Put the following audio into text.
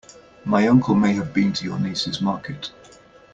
My uncle may have been to your niece's market.